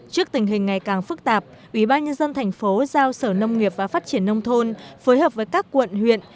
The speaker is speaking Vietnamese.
trước tình hình ngày càng phức tạp ubnd tp giao sở nông nghiệp và phát triển nông thôn phối hợp với các quận huyện